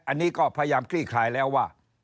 อันนี้ก็พยายามคลี่คลายแล้วว่า